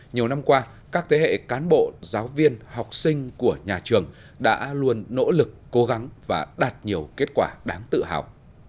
nhiều năm qua các thế hệ cán bộ giáo viên học sinh của nhà trường đã luôn nỗ lực cố gắng và đạt nhiều kết quả đáng tự hào